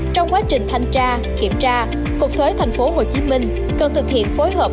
trong quá trình thanh tra kiểm tra cục thuế tp hcm cần thực hiện phối hợp